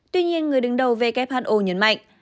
tuy nhiên người đứng đầu who nhấn mạnh